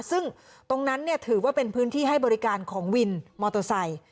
ซึ่งตรงนั้นถือว่าเป็นพื้นที่ให้บริการของวินมอเตอร์ไซค์